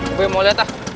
ube mau lihat ah